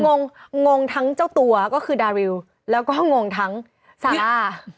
งงงทั้งเจ้าตัวก็คือดาริวแล้วก็งงทั้งซาร่า